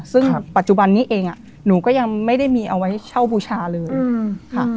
ซึ่งปัจจุบันนี้เองหนูก็ยังไม่ได้มีเอาไว้เช่าบูชาเลยค่ะ